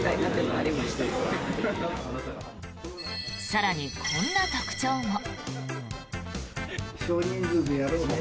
更に、こんな特徴も。